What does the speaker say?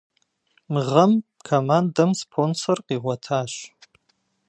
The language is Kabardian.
Мы гъэм командэм спонсор къигъуэтащ.